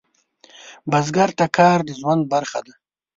بزګر ته کار د ژوند برخه ده